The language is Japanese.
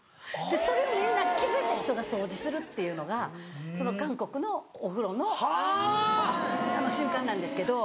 それをみんな気付いた人が掃除するっていうのが韓国のお風呂の習慣なんですけど。